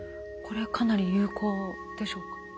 これはかなり有効でしょうか？